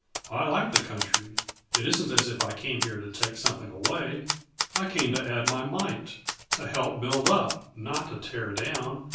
I like the country; it isn't as if I came here to take something away. I came to add my mite; to help build up, not to tear down.